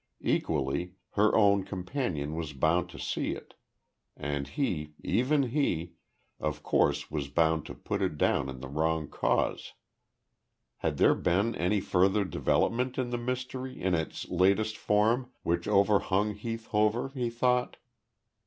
Equally, her then companion was bound to see it, and he even he of course was bound to put it down to the wrong cause. Had there been any further development in the mystery in its latest form which overhung Heath Hover, he thought?